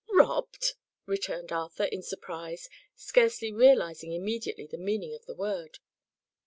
"Robbed!" returned Arthur, in surprise, scarcely realizing immediately the meaning of the word.